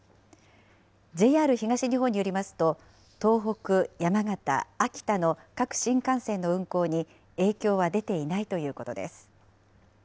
ＪＲ東日本によりますと、東北、山形、秋田の各新幹線の運行に影響は出ていないということです。